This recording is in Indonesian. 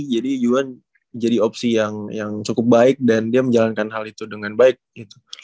jadi juan jadi opsi yang cukup baik dan dia menjalankan hal itu dengan baik gitu